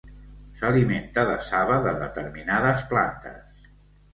S'alimenta de saba de determinades plantes.